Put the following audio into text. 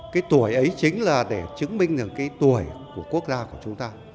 cái tuổi ấy chính là để chứng minh được cái tuổi của quốc gia của chúng ta